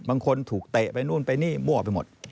บางคนถูกเตะไปนู่นไปนี่มั่วไปหมด